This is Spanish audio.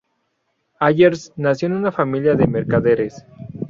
Allers nació en una familia de mercaderes.